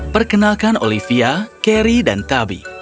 perkenalkan olivia carry dan tabi